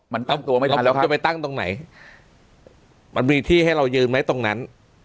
มันตั้งตัวไม่ได้แล้วจะไปตั้งตรงไหนมันมีที่ให้เรายืนไหมตรงนั้น